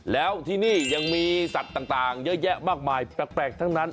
แล้วที่นี่ยังมีสัตว์ต่างเยอะแยะมากมายแปลกทั้งนั้น